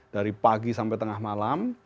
dari pagi sampai tengah malam